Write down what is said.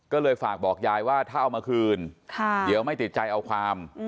ก็เลยฝากบอกยายว่าถ้าเอามาคืนเดี๋ยวไม่ติดใจเอาความ